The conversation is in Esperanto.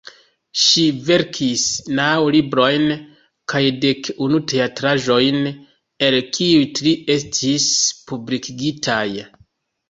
Ŝi verkis naŭ librojn kaj dek unu teatraĵojn, el kiuj tri estis publikigitaj.